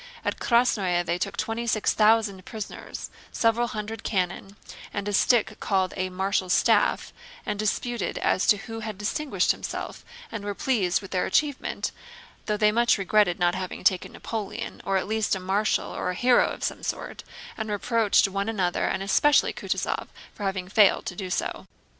At Krásnoe they took twenty six thousand prisoners, several hundred cannon, and a stick called a "marshal's staff," and disputed as to who had distinguished himself and were pleased with their achievement—though they much regretted not having taken Napoleon, or at least a marshal or a hero of some sort, and reproached one another and especially Kutúzov for having failed to do so.